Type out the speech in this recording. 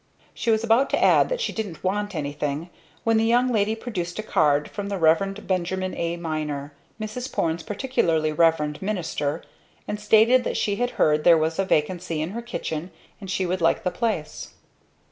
She was about to add that she didn't want anything, when the young lady produced a card from the Rev. Benjamin A. Miner, Mrs. Porne's particularly revered minister, and stated that she had heard there was a vacancy in her kitchen and she would like the place.